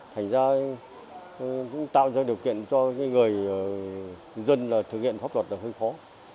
thành ra cũng tạo ra điều kiện cho người dân thực hiện pháp luật là hơi khó